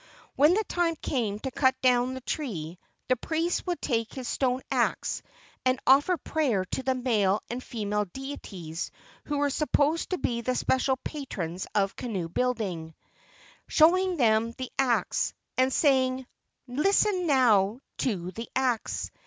When the time came to cut down the tree the priest would take his stone axe and offer prayer to the male and female deities who were supposed to be the special patrons of canoe¬ building, showing them the axe, and saying: "Listen now to the axe.